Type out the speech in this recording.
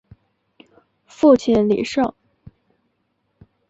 父亲李晟。